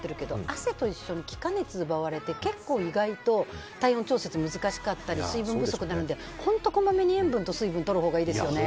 汗と一緒に気化熱を奪われて結構意外と体温調節が難しかったりするので本当にこまめに塩分と水分とるほうがいいですよね。